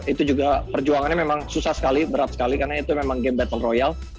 itu juga perjuangannya memang susah sekali berat sekali karena itu memang game battle royal